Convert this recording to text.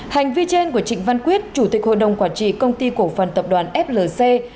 hành vi trên của trịnh văn quyết chủ tịch hội đồng quản trị công ty cổ phần tập đoàn flc